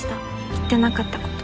言ってなかったこと。